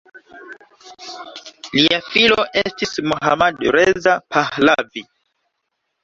Lia filo estis Mohammad Reza Pahlavi.